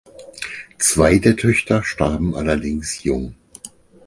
Zwei der Töchter starben allerdings jung.